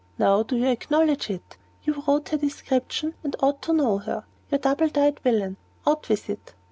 Now, do you acknowledge it? You wrote her description, and ought to know her. You double dyed villain, out with it!"